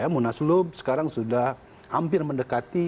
munaslup sekarang sudah hampir mendekati